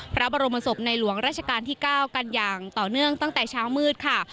พระบรมศพในหลวงราชการที่๙กันอย่างต่อเนื่องตั้งแต่เช้ามืดค่ะ